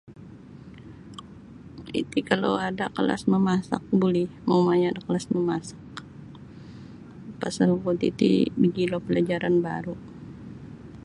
Iti kalau ada kelas memasak buli mau maya' da kelas memasak pasal kuo titi mogilo pelajaran baru'.